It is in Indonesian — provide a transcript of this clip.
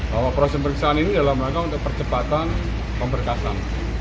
bahwa proses periksaan ini adalah untuk percepatan pemberkasan